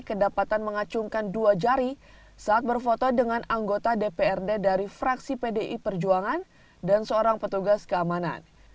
kedapatan mengacungkan dua jari saat berfoto dengan anggota dprd dari fraksi pdi perjuangan dan seorang petugas keamanan